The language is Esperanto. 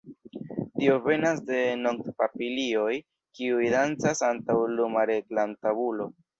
Tio venas de noktpapilioj, kiuj dancas antaŭ luma reklamtabulo.